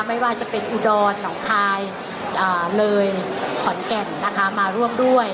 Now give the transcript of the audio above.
ไม่ว่าจะเป็นอุดรหนองคายเลยขอนแก่นนะคะมาร่วมด้วย